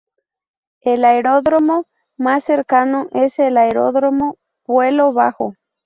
El aeródromo más cercano es el Aeródromo Puelo Bajo.